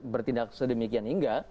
bertindak sedemikian hingga